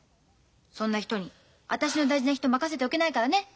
そんな人に私の大事な人任せておけないからねとるわ。